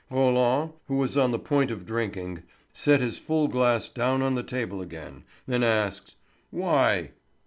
Roland, who was on the point of drinking, set his full glass down on the table again, and asked: "Why?"